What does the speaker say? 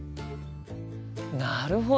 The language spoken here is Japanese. なるほど！